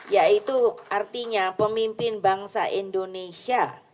yaitu artinya pemimpin bangsa indonesia